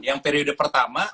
yang periode pertama